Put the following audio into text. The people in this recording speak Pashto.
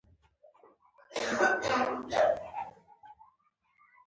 زه یوې ویاړلې سیمې ته روان یم.